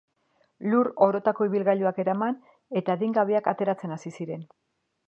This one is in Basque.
Lur orotarako ibilgailuak eraman eta adingabeak ateratzen hasi ziren.